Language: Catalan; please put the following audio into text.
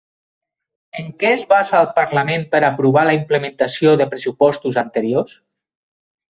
En què es basa el Parlament per aprovar la implementació de pressupostos anteriors?